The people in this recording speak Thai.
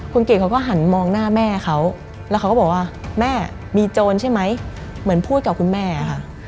คุณเกดเขาก็หันมองหน้าแม่เขาแล้วเขาก็บอกว่าแม่มีโจรใช่ไหมเหมือนพูดกับคุณแม่ค่ะ